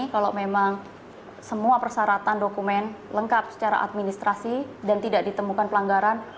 kalau memang semua persyaratan dokumen lengkap secara administrasi dan tidak ditemukan pelanggaran